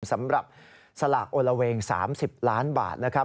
สำหรับสลากโอละเวง๓๐ล้านบาทนะครับ